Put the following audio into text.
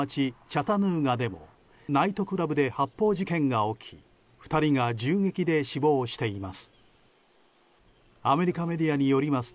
チャタヌーガでもナイトクラブで発砲事件が起き２人が銃撃で死亡しています。